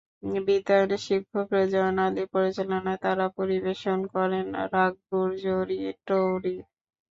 বিদ্যায়তনের শিক্ষক রেজোয়ান আলীর পরিচালনায় তাঁরা পরি-বেশন করেন রাগ গুর্জরি টোড়ি।